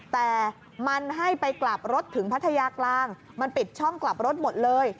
แต่มันให้ไปกลับรถถึงพัทยากลางมันปิดช่องกลับรถหมดเลย